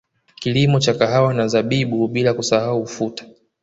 Kilimo cha kahawa na zabibu bila kusahau ufuta